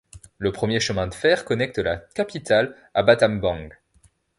Le premier chemin de fer connecte la capitale à Battambang.